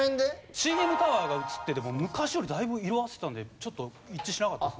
ＣＮタワーが映ってて昔よりだいぶ色あせたのでちょっと一致しなかったです。